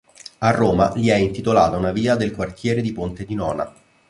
A Roma gli è intitolata una via del quartiere di Ponte di Nona.